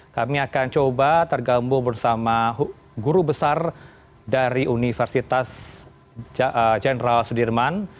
kami akan coba tergabung bersama guru besar dari universitas jenderal sudirman